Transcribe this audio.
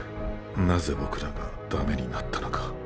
なぜ僕らがダメになったのか。